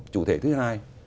chủ thể thứ hai